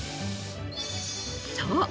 そう！